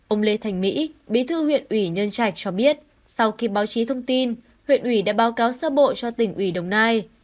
ông lê thành mỹ bí thư huyện ủy nhân trạch cho biết sau khi báo chí thông tin huyện ủy đã báo cáo sơ bộ cho tỉnh ủy đồng nai